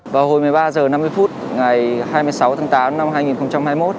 vào hồi một mươi ba h năm mươi phút ngày hai mươi sáu tháng tám năm hai nghìn hai mươi một